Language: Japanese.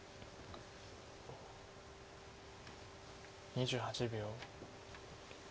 ２８秒。